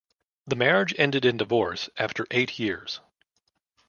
The marriage ended in divorce after eight years.